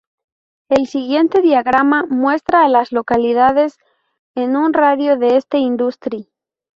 El siguiente diagrama muestra a las localidades en un radio de de Industry.